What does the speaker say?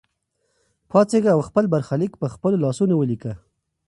پاڅېږه او خپل برخلیک په خپلو لاسونو ولیکه.